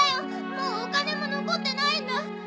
もうお金も残ってないんだ。